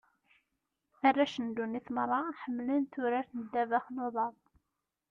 Arrac n ddunit merra, ḥemmlen turart n ddabax n uḍar.